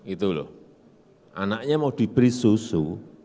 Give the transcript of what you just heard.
itu loh anaknya mau diberi susu